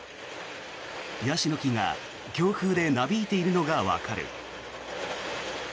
ヤシの木が強風でなびいているのがわかる。